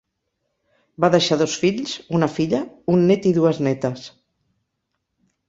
Va deixar dos fills, una filla, un net i dues netes.